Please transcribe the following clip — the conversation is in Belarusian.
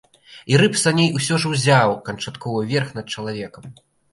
І рып саней усё ж узяў канчатковы верх над чалавекам.